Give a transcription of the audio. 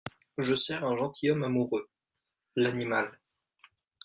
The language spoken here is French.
Je sers un gentilhomme amoureux, — l’animal !